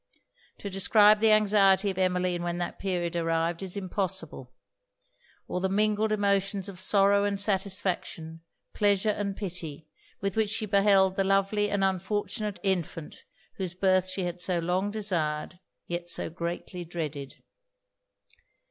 To describe the anxiety of Emmeline when that period arrived, is impossible; or the mingled emotions of sorrow and satisfaction, pleasure and pity, with which she beheld the lovely and unfortunate infant whose birth she had so long desired, yet so greatly dreaded.